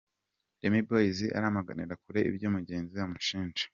Remy Boy aramaganira kure ibyo mugenzi we amushinja.